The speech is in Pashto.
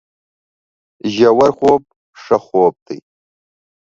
ژورخوب ښه خوب دی